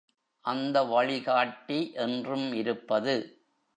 அந்த வழிகாட்டி என்றும் இருப்பது.